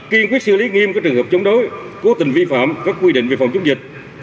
kiên quyết xử lý nghiêm các trường hợp chống đối cố tình vi phạm các quy định về phòng chống dịch